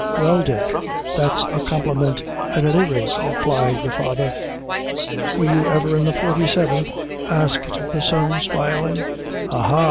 "Well, Dick, that's a compliment, at any rate," replied the father. "Were you ever in the forty seventh?" asked the son, smiling. "Ah, ah!"